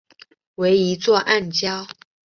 为一座暗礁。